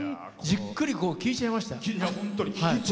じっくり聴いちゃいました。